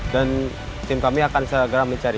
dan tim kami akan segera mencari